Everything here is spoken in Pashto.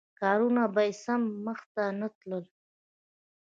کارونه به یې سم مخته نه تلل.